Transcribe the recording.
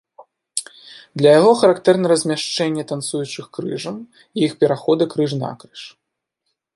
Для яго характэрна размяшчэнне танцуючых крыжам і іх пераходы крыж-накрыж.